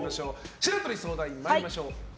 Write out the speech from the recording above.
白鳥相談員、参りましょう。